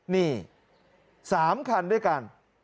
นี่๓คันด้วยกัน